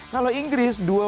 kalau inggris dua back